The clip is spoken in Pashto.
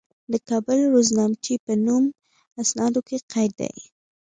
د کابل روزنامچې په نوم اسنادو کې قید دي.